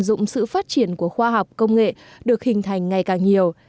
tận dụng sự phát triển của khoa học công nghệ được hình thành ngày càng nhiều